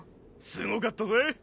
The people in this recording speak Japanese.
すごかったぜ。